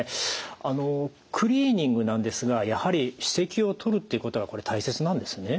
あのクリーニングなんですがやはり歯石を取るっていうことがこれ大切なんですね。